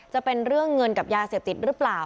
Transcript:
จะเป็นเรื่องเงินกับยาเสพติดหรือเปล่า